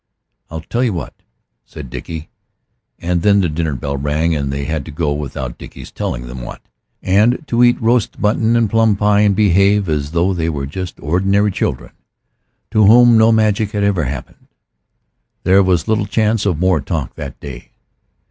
"I'll tell you what," said Dickie. And then the dinner bell rang, and they had to go without Dickie's telling them what, and to eat roast mutton and plum pie, and behave as though they were just ordinary children to whom no magic had ever happened. There was little chance of more talk that day.